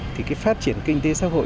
thì cái phát triển kinh tế xã hội